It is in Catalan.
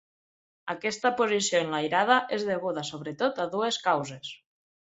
Aquesta posició enlairada és deguda sobretot a dues causes.